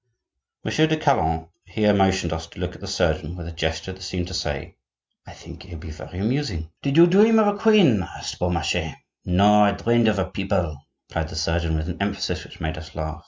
Monsieur de Calonne here motioned us to look at the surgeon, with a gesture that seemed to say: "I think he'll be very amusing." "Did you dream of a queen?" asked Beaumarchais. "No, I dreamed of a People," replied the surgeon, with an emphasis which made us laugh.